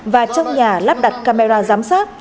và trong nhà lắp đặt camera giám sát